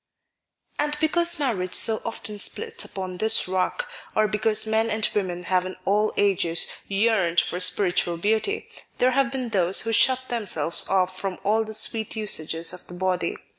AND because marriage so often splits upon this rock, or because men and women have in all ages yearned for spiritual beauty, there have been those who shut themselves off from all the sweet usages of the body.